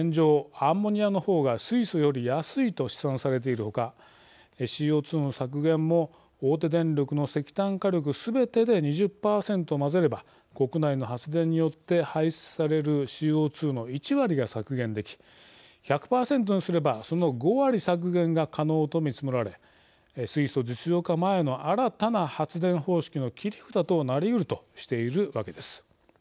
アンモニアのほうが水素より安いと試算されているほかＣＯ２の削減も大手電力の石炭火力すべてで２０％混ぜれば国内の発電によって排出されるＣＯ２の１割が削減でき１００％にすればその５割削減が可能と見積もられ水素実用化前の新たな発電方式の切り札となりうるとしているわけです。